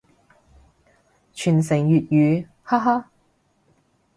傳承粵語，哈哈